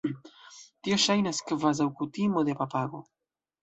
Tio ŝajnas kvazaŭ kutimo de papago.